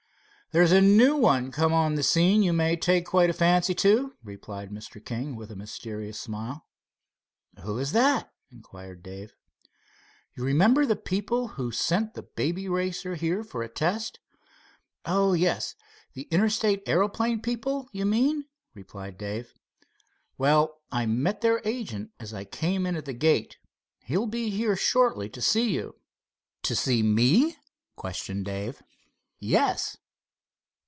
"There's a new one come on the scene you may take quite a fancy to," replied Mr. King, with a mysterious smile. "Who is that?" inquired Dave. "You remember the people who sent the Baby Racer on here for a test?" "Oh, yes—the Interstate Aeroplane people, you mean?" replied Dave. "Well, I met their agent as I came in at the gate. He will be here shortly to see you." "To see me?" questioned Dave. "Yes."